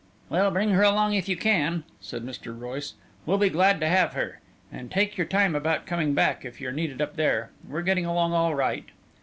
"Well, bring her along if you can," said Mr. Royce. "We'll be glad to have her. And take your time about coming back, if you're needed up there. We're getting along all right."